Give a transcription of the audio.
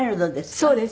そうです。